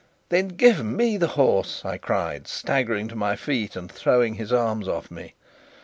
"Then give me the horse!" I cried, staggering to my feet and throwing his arms off me.